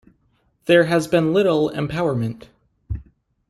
There has been little empowerment.